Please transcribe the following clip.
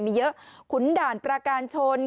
สุดยอดดีแล้วล่ะ